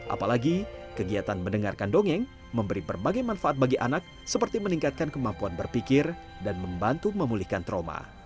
apalagi kegiatan mendengarkan dongeng memberi berbagai manfaat bagi anak seperti meningkatkan kemampuan berpikir dan membantu memulihkan trauma